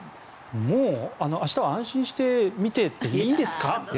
もう明日は安心して見てていいですか？